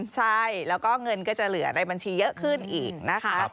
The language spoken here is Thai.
ใช่แล้วก็เงินก็จะเหลือในบัญชีเยอะขึ้นอีกนะคะ